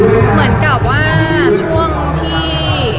เหมือนกับว่าช่วงที่